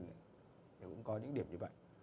nó cũng có những điểm như vậy